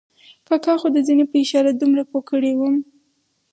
کاکا خو د زنې په اشاره دومره پوه کړی وم.